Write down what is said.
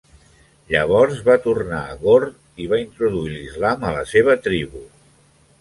Llavors va tornar a Ghor i va introduir l'Islam a la seva tribu.